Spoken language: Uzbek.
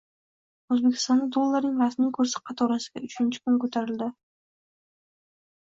O‘zbekistonda dollarning rasmiy kursi qatorasiga uchinchi kun ko‘tarildi